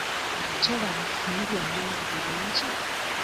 Tolaba bino byona nga birungi.